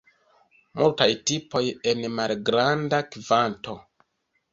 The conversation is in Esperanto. Multaj tipoj en malgranda kvanto.